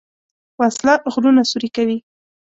وسله غرونه سوری کوي